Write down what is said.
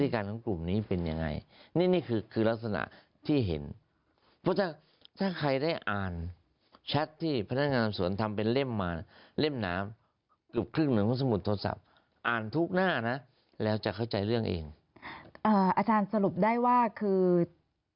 คือตอนนั้นที่เป็นข่าวก็คือมีคนถูกกล่าวหาทั้งหมด๖คน